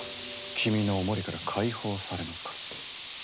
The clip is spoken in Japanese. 君のお守りから解放されますから。